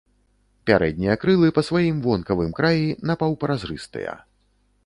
Пярэднія крылы па сваім вонкавым краі напаўпразрыстыя.